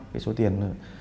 cái số tiền